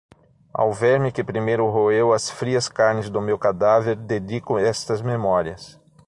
Ao verme que primeiro roeu as frias carnes do meu cadáver dedico estas Memórias